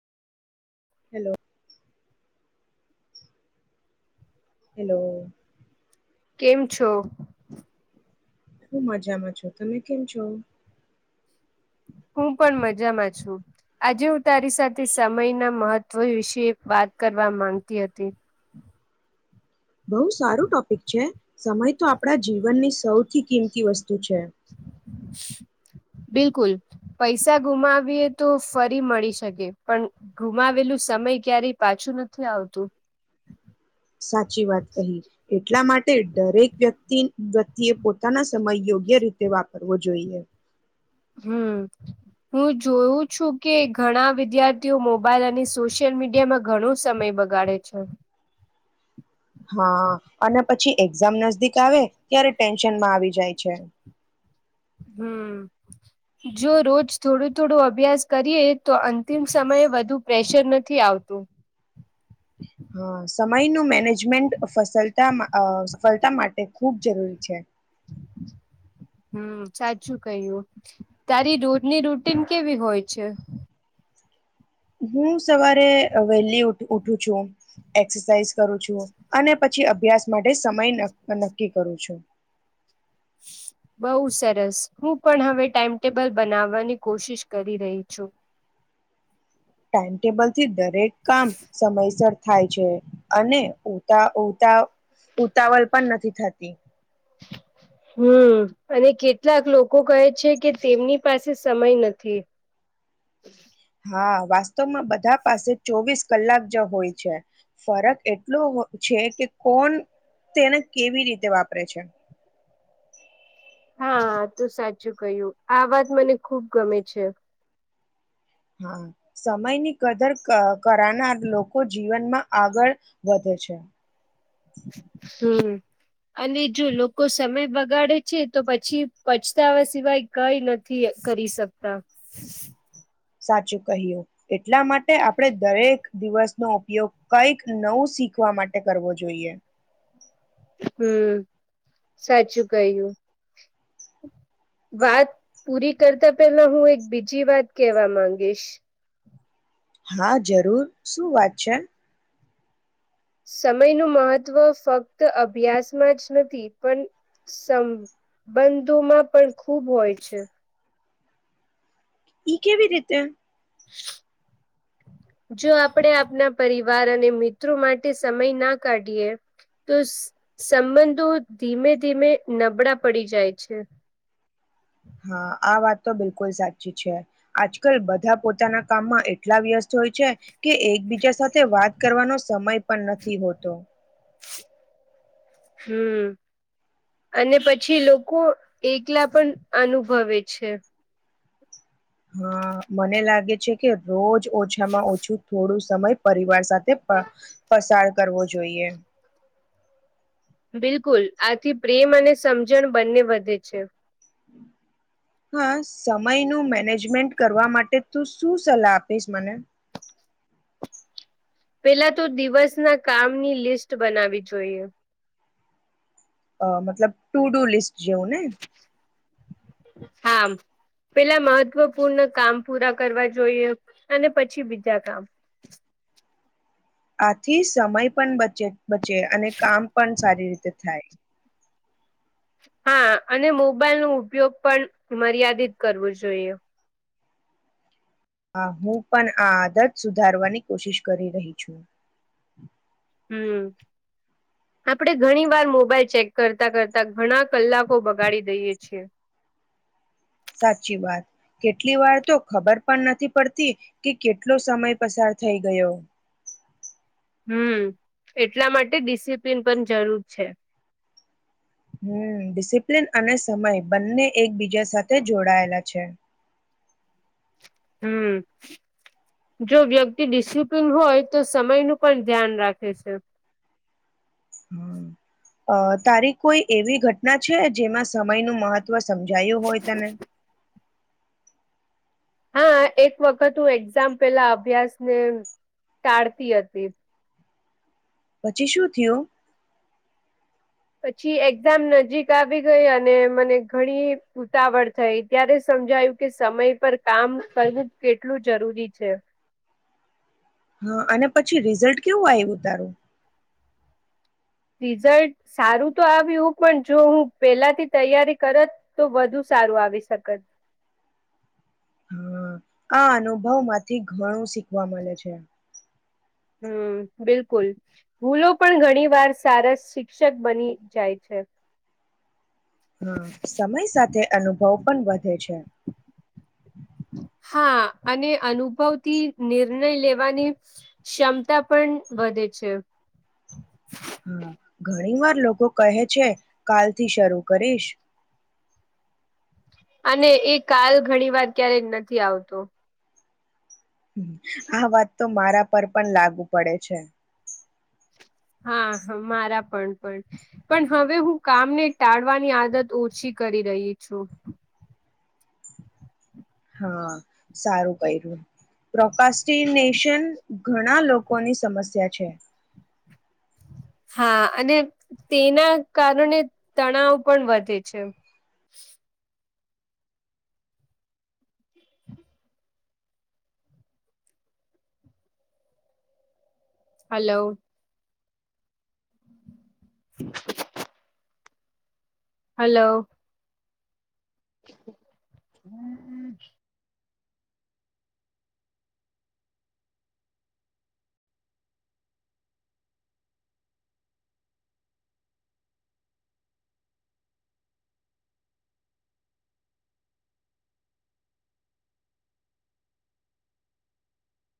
હલોલો hello કેમ છો શું મજામાં છો તમે કેમ છો હું પણ મજામાં છું આજે હું તારી સાથે સમયના મહત્વ વિશે વાત કરવા માંગતી હતી બઉુ સારું ટોપિક છે સમય તો આપડા જીવનની સૌથી કિંમતી વસ્તુ છે બિલકુલ પૈસા ગુમાવીએ તો ફરી મળી શકે પણ ગુમાવેલું સમય ક્યારેય પાછું નથી આવતું સાચી વાત કહી એટલા માટે દરેક વ્યક્તિ વ્યક્તિએ પોતાના સમય યોગ્ય રીતે વાપરવો જોઈએ હમ હું જોયું છું કે ઘણા વિદ્યાર્થીઓ મોબાઈલ અને સોશિયલ મીડિયામાં ઘણું સમય બગાડે છે હા અને પછી એક્ઝામ નજદીક આવે ત્યારે ટેન્શનમાં આવી જાય છે [unintelligible] હમ જો રોજ થોડું થોડો અભ્યાસ કરીએ તો અંતિમ સમયે વધુ પ્રેશર નથી આવતું [unintelligible] હા સમયનું મેનેજમેન્ટસલતા સફળતા માટે ખૂબ જરૂરી છે [inaudible] હમ સાચું કહ્યું તારી રોજની રૂટીન કેવી હોય છે [inaudible] હ સવારે વહેલી ઉઠું છું એક્સરસાઇઝ કરું છું અને પછી અભ્યાસ માટે સમય નક્કી કરું છું [inaudible] બઉ સરસ હું પણ હવે ટાઈમટેબલ બનાવવાની કોશિશ કરી રહી છું ટાઈમટેબલ થી દર હરેક કામ સમયસર થાય છે અને ઉતા ઉતા ઉતાવળ પણ નથી થતી [inaudible] હમ અને કેટલાક લોકો કહે છે કે તેમની પાસે સમય નથી હા વાસ્તવમાં બધા પાસે ચોવીસ કલાક જ હોય છે ફરક એટલો છે કે કોણ તેને કેવી રીતે વાપરે છે હા તું સાચું કહ્યું આ વાત મને ખુબ ગમે છે હા સમયની કદર કરાનાર લોકો જીવનમાં આગળ વધે છે [inaudible] અને જો લોકો સમય બગાડે છે તો પછી પચતાવા સિવાય કઈ નથી કરી શકતા સાચું કહ્યું એટલા માટે આપણે દરેક દિવસનો ઉપયોગ કંઈક નવું શીખવા માટે કરવો જોઈએ હમ સાચું કહ્યું વાત પૂરી કરતા પેલા હું એક બીજી વાત કેવા ગીશ હા જરૂર શું વાત છે સમયનું મહત્ત્વ ફક્ત અભ્યાસમાં જ નથી પણ સંબંધોમાં પણ ખૂબ હોય છે ઈ કેવી રીતે [unintelligible] જો આપણે આપના પરિવાર અને મિત્રો માટે સમય ના કાઢીએ તો સંબંધો ધીમે ધીમે નબળા પડી જાય છે [inaudible] હા આ વાત તો બિલકુલ સાચી છે આજકાલ બધા પોતાના કામમાં એટલા વ્યસ્ત હોય છે કે એકબીજા સાથે વાત કરવાનો સમય પણ નથી હોતો હમ અને પછી લોકો એકલા પણ અનુભવે છે. હા મને લાગે છે કે રોજ ઓછામાં ઓછું થોડું સમય પરિવાર સાથે પણ પસાર કરવો જોઈએ. [inaudible] બિલકુલ આથી પ્રેમ અને સમજણ બંને વધે. [inaudible] હા સમયનું મેનેજમેન્ટ કરવા માટે તું શું સલાહ આપીશ મને. પેલા તો દિવસના કામની લિસ્ટ બનાવી જોઈએ. અ મતલબ ટુ ટ લિસ્ટ જેવું ને હા પેલા મહત્વપૂર્ણ કામ પૂરા કરવા જોઈએ અને પછી બીજા કામ આથી સમય પણ બચે. બચે અને કામ પણ સારી રીતે થાય. હા અને મોબાઈલનો ઉપયોગ પણ મર્યાદિત કરવો જોઈએ હ હું પણ આ આદત સુધારવાની કોશિશ કરી રહી છુ. હમ આપણે ઘણી વાર મોબાઈલ ચેક કરતા કરતા ઘણા કલાકો બગાડી દઈએ છીએ. સાચી વાત કેટલી વાર તો ખબર પણ નથી પડતી કે કેટલો સમય પસાર થઈ ગયો. હમ એટલા માટે ડિસિપ્લિન પણ જરૂર છે. હમ ડિસિપ્લિન અને સમય બંને એકબીજા સાથે જોડાયેલા છે. હમ જો વ્યક્તિ ડિસિપ્લિન હોય તો સમય નું પણ ધ્યાન રાખે છે. હ અ તારી કોઈ એવી ઘટના છે જેમાં સમયનું મહત્વ સમજાયું હોય તને હા એક વખત હું એક્ઝામ પેલા અભ્યાસને ટાળતી હતી. પછી શું થયું? પછી એક્ઝામ નજીક આવી ગઈ અને મને ઘણી ઉતાવળ થઈ ત્યારે સમજાયું કે સમય પર કામ કરવું કેટલું જરૂરી છે. હા અને પછી રિઝલ્ટ કેવું આવ્યું તારું રિઝલ્ટ સારું તો આવ પણ જો હું પેલાથી તૈયારી કરત તો વધુ સારું આવી શકત. હા આ અનુભવ માંથી ઘણું શીખવા મળે છે. હમ બિલકુલ ભૂલો પણ ઘણી વાર સારા શિક્ષક બની જાય છે. હા સમય સાથે અનુભવ પણ વધે છે. હા અને અનુભવથી નિર્ણય લેવાની ક્ષમતા પણ વધે છે. હા ઘણી વાર લોકો કહે છે કાલથી શરૂ કરીશ અને એ કાલ ઘણી વાર ક્યારેય નથી આવતો. આ વાત તો મારા પર પણ લાગુ પડે છે. હા હ મારા પણ પણ પણ હવે હું કામને ટાળવાની આદત ઓછી કરી રહી છું. હા સારું કર્યું પ્રોકાસ્ટિનેશન ઘણા લોકોની સમસ્યા છે. હા અને તેના કારણે તણાવ પણ વધે છે. હલો. [unintelligible] હલો. હમ હમ.